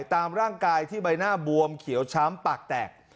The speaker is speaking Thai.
ตามร่างกายที่ใบหน้าบวมเขียวช้ำปากแตก